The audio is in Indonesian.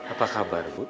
apa kabar bu